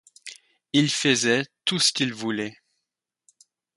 Il faisait tout ce qu’il voulait.